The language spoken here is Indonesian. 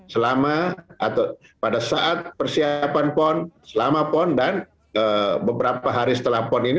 selama atau pada saat persiapan pon selama pon dan beberapa hari setelah pon ini